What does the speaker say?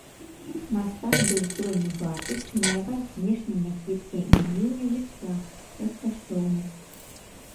Мастак быў здольны бачыць і маляваць знешне някідкія імгненні жыцця, як каштоўнасць.